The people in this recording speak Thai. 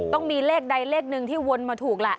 ต้องมีเลขใดเลขหนึ่งที่วนมาถูกแหละ